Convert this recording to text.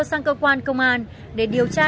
sang cơ quan công an để điều tra